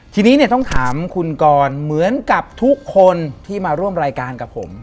ทีนี้เนี่ยต้องถามคุณกรเหมือนกับทุกคนที่มาร่วมรายการกับผม